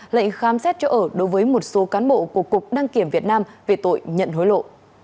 lệnh khám xét chỗ ở đối với một số cán bộ của cục đăng kiểm việt nam về tội nhận hối lộ